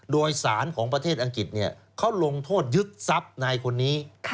โดยสารของประเทศอังกฤษเขาลงโทษยึดทรัพย์นายคนนี้